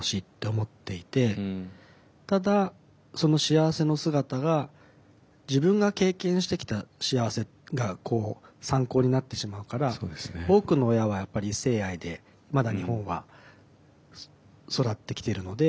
ただその幸せの姿が自分が経験してきた幸せが参考になってしまうから多くの親はやっぱり異性愛でまだ日本は育ってきてるので。